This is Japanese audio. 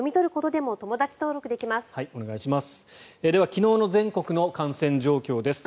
では昨日の全国の感染状況です。